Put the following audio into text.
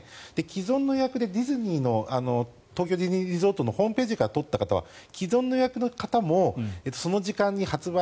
既存の予約で東京ディズニーリゾートのホームページから取った方は既存の予約の方もその時間に発売